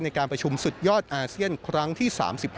ในการประชุมสุดยอดอาเซียนครั้งที่๓๕